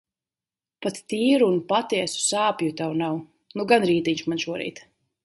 Pat tīru un patiesu sāpju tev nav. Nu gan rītiņš man šorīt.